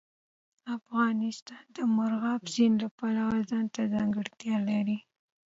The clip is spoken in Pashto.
افغانستان د مورغاب سیند له پلوه ځانته ځانګړتیا لري.